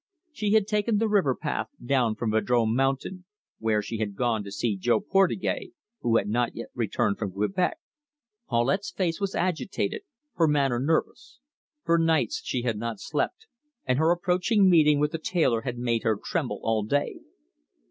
She had taken the river path down from Vadrome Mountain, where she had gone to see Jo Portugais, who had not yet returned from Quebec. Paulette's face was agitated, her manner nervous. For nights she had not slept, and her approaching meeting with the tailor had made her tremble all day.